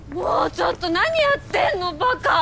ちょっと何やってんのバカ！